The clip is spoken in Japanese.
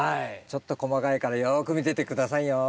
ちょっと細かいからよく見てて下さいよ。